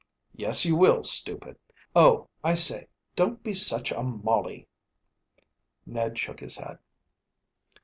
"Yes, you will, stupid. Oh, I say, don't be such a Molly." Ned shook his head.